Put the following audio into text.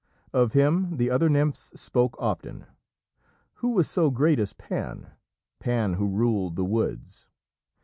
Of him the other nymphs spoke often. Who was so great as Pan? Pan, who ruled the woods.